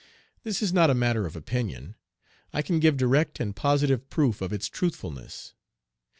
This is not a matter of opinion. I can give direct and positive proof of its truthfulness.